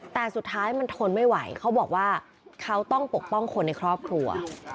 แต่สุดท้ายมันทนไม่ไหวเขาบอกว่าเขาต้องปกป้องคนในครอบครัว